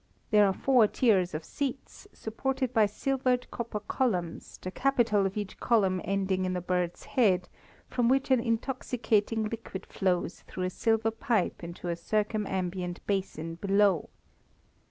There are four tiers of seats, supported by silvered copper columns, the capital of each column ending in a bird's head, from which an intoxicating liquid flows through a silver pipe into a circumambient basin below.